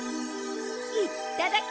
いっただき！